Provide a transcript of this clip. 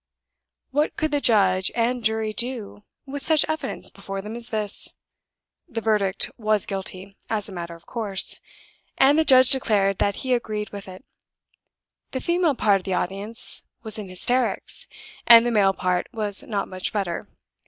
What could the judge and jury do, with such evidence before them as this? The verdict was Guilty, as a matter of course; and the judge declared that he agreed with it. The female part of the audience was in hysterics; and the male part was not much better.